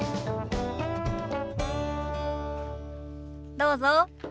どうぞ。